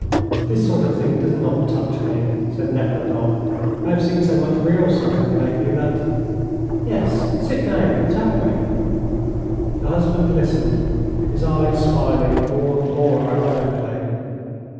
"This sort of thing does not touch me," said Nekhludoff. "I have seen so much real suffering lately that " "Yes, sit down and tell me." The husband listened, his eyes smiling more and more ironically.